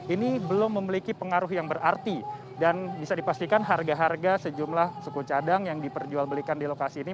ini belum memiliki pengaruh yang berarti dan bisa dipastikan harga harga sejumlah suku cadang yang diperjualbelikan di lokasi ini